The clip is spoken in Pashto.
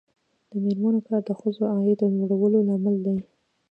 د میرمنو کار د ښځو عاید لوړولو لامل دی.